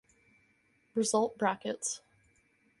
Result brackets